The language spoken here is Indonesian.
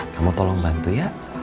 kamu tolong bantu ya